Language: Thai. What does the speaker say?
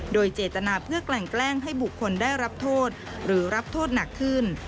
โดยเจตนาเพื่อกลั่นแกล้งให้บุคคลได้รับโทษหรือรับโทษหนักขึ้น